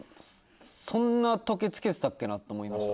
そんな時計着けてたっけな？と思いました。